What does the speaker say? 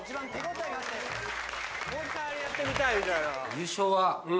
優勝は。